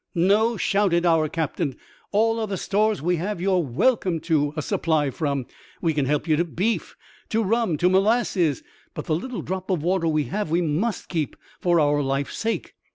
" No," shouted our captain ;" all other stores we have you're welcome to a supply from. We can help ye to beef, to rum, to molasses — but the little drop of water we have we must keep for our life's sake."